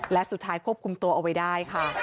และสุดท้ายควบคุมตัวเอาไว้ได้ค่ะ